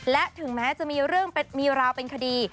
และถึงแม้จะมีเรื่องมีราวเป็นคดี